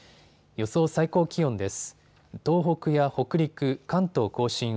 予想最高気温です。